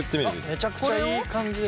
めちゃくちゃいい感じですね。